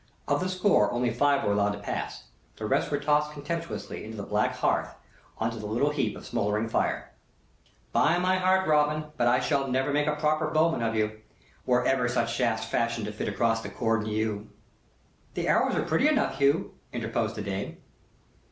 Of the score only five were allowed to pass; the rest were tossed contemptuously into the black hearth on to the little heap of smouldering fire. "By my heart, Robin, but I shall never make a proper bowman of you! Were ever such shafts fashioned to fit across cord and yew!" "The arrows are pretty enough, Hugh," interposed the dame.